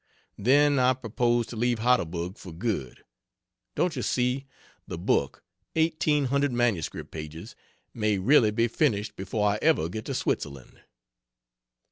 Then, I propose to leave Heidelberg for good. Don't you see, the book (1800 MS pages,) may really be finished before I ever get to Switzerland?